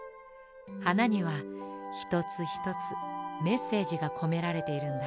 はなにはひとつひとつメッセージがこめられているんだ。